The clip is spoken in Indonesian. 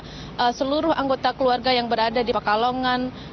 saya berikan penguatan kepada seluruh anggota keluarga yang berada di pakalongan